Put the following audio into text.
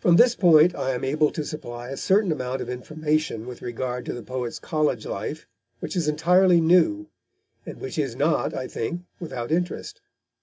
From this point I am able to supply a certain amount of information with regard to the poet's college life which is entirely new, and which is not, I think, without interest.